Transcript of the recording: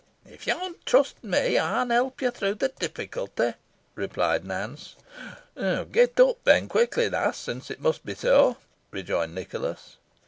"If yo'n trust me, ey'n help yo through the difficulty," replied Nance. "Get up then quickly, lass, since it must be so," rejoined Nicholas.